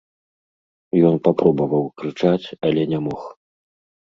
Ён папробаваў крычаць, але не мог.